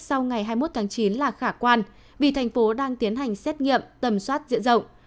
sau ngày hai mươi một tháng chín là khả quan vì thành phố đang tiến hành xét nghiệm tầm soát diện rộng